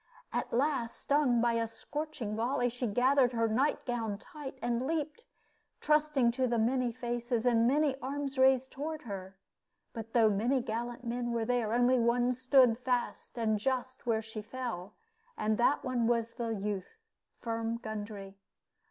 At last, stung by a scorching volley, she gathered her night gown tight, and leaped, trusting to the many faces and many arms raised toward her. But though many gallant men were there, only one stood fast just where she fell, and that one was the youth, Firm Gundry.